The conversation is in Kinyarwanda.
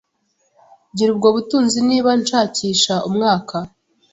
gira ubwo butunzi niba nshakisha umwaka. ”